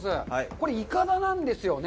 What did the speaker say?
これ、いかだなんですよね？